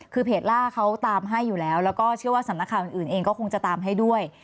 คือเพจล่าเขาตามให้อยู่แล้วแล้วก็เชื่อว่าสำนักข่าวอื่นเองก็คงจะตามให้ด้วย